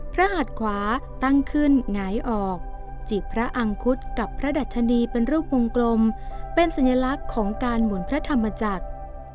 หัดขวาตั้งขึ้นหงายออกจีบพระอังคุดกับพระดัชนีเป็นรูปวงกลมเป็นสัญลักษณ์ของการหมุนพระธรรมจักร